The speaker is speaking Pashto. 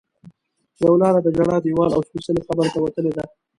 یوه لاره د ژړا دیوال او سپېڅلي قبر ته وتلې ده.